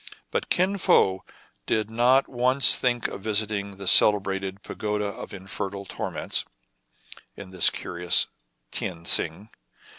But Kin Fo did not once think of visit ing the celebrated Pagoda of Infernal Torments in this curious Tien Sing.